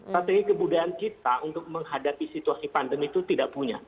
strategi kebudayaan kita untuk menghadapi situasi pandemi itu tidak punya